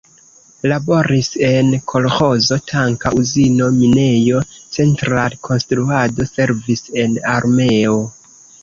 Laboris en kolĥozo, tanka uzino, minejo, central-konstruado, servis en armeo.